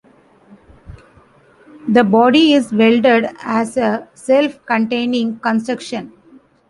The body is welded as a self-containing construction.